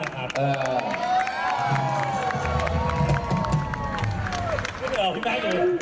ไม่ต้องห่วงพี่แม็กซ์เลย